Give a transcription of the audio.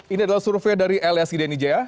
ini adalah survei dari lsi dni ja